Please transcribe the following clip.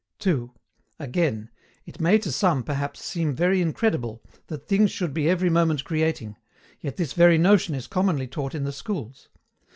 (2)Again, it may to some perhaps seem very incredible that things should be every moment creating, yet this very notion is commonly taught in the schools.